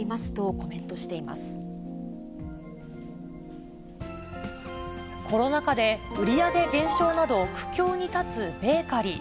コロナ禍で、売り上げ減少など苦境に立つベーカリー。